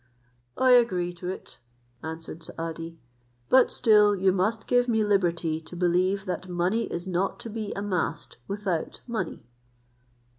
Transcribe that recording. "I agree to it," answered Saadi, "but still you must give me liberty to believe that money is not to be amassed without money."